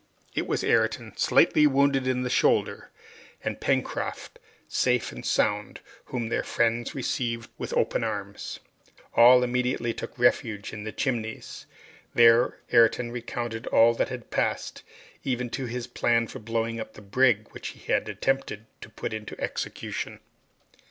It was Ayrton, slightly wounded in the shoulder, and Pencroft, safe and sound, whom their friends received with open arms. All immediately took refuge in the Chimneys. There Ayrton recounted all that had passed, even to his plan for blowing up the brig, which he had attempted to put into execution.